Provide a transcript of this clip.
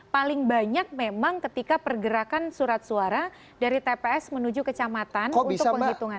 paling banyak memang ketika pergerakan surat suara dari tps menuju kecamatan untuk penghitungan